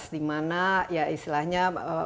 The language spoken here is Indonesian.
dimana ya istilahnya